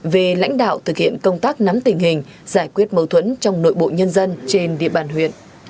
về lãnh đạo thực hiện công tác nắm tình hình giải quyết mâu thuẫn trong nội bộ nhân dân trên địa bàn huyện